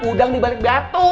udang dibalik batuk